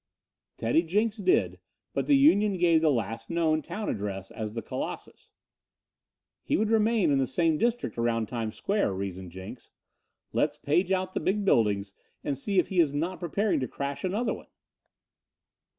Teddy Jenks did, but the union gave the last known town address as the Colossus. "He would remain in the same district around Times Square," reasoned Jenks. "Let's page out the big buildings and see if he is not preparing to crash another one."